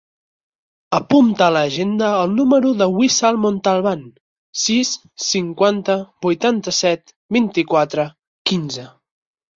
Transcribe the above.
Apunta a l'agenda el número de la Wissal Montalban: sis, cinquanta, vuitanta-set, vint-i-quatre, quinze.